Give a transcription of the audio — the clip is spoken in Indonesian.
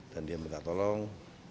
dan dia minta tolong